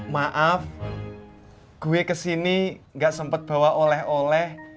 maaf gue kesini gak sempat bawa oleh oleh